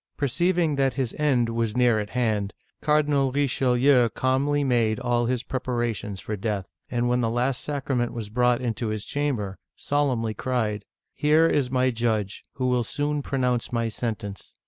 Perceiving that his end was near at hand. Cardinal Richelieu calmly made all his preparations for death, and when the last sacrament was brought into his cham ber, solemnly cried :" Here is my judge, who will soon pronounce my sentence.